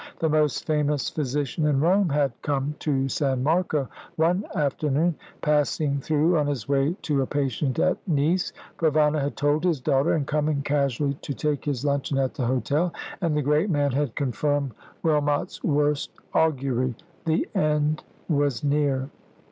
The most famous physician in Rome had come to San Marco one afternoon. Passing through on his way to a patient at Nice, Provana had told his daughter, and coming casually to take his luncheon at the hotel and the great man had confirmed Wilmot's worst augury. The end was near.